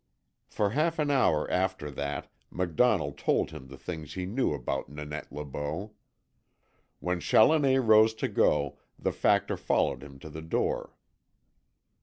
For half an hour after that MacDonnell told him the things he knew about Nanette Le Beau. When Challoner rose to go the Factor followed him to the door.